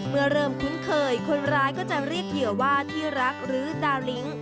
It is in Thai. เมื่อเริ่มคุ้นเคยคนร้ายก็จะเรียกเหยื่อว่าที่รักหรือดาวลิ้ง